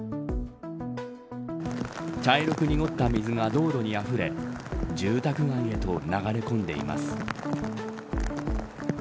茶色く濁った水が道路にあふれ住宅街へと流れ込んでいます。